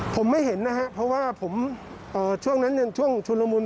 ผมไม่เห็นนะครับเพราะว่าผมช่วงนั้นช่วงชุนละมุน